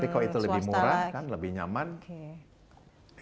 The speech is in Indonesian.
kalau itu lebih murah kan lebih nyaman